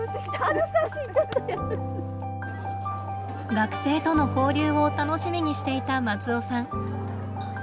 学生との交流を楽しみにしていた松尾さん。